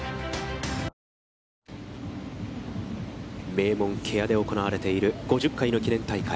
名門・芥屋で行われている５０回の記念大会。